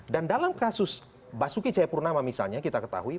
dan dalam kasus basuki cahayapurnama misalnya kita ketahui